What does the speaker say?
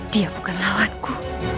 dia bukan lawanku